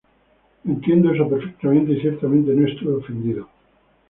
Entiendo eso perfectamente y ciertamente no estuve ofendido.